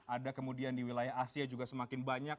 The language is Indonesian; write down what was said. ada kemudian di wilayah asia juga semakin banyak